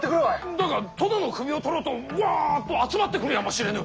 だが殿の首を取ろうとわあっと集まってくるやもしれぬ！